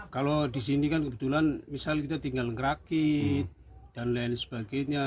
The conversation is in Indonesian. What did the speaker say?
kalau di sini kan kebetulan misalnya kita tinggal ngeraki